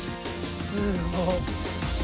すごっ！